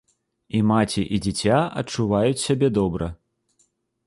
І маці, і дзіця адчуваюць сябе добра.